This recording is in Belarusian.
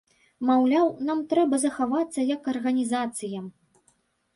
Маўляў, нам трэба захавацца як арганізацыям.